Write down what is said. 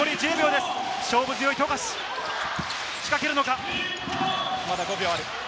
勝負強い富樫、仕掛けるのか。